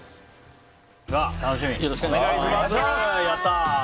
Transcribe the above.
よろしくお願いします。